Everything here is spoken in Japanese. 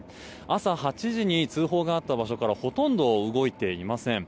朝８時に通報があった場所からほとんど動いていません。